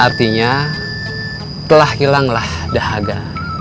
artinya telah hilanglah dahaga